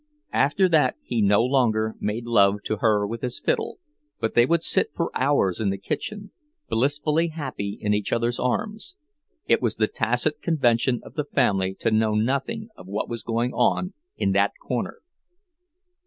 After that he no longer made love to her with his fiddle, but they would sit for hours in the kitchen, blissfully happy in each other's arms; it was the tacit convention of the family to know nothing of what was going on in that corner.